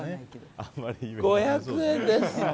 ５００円です。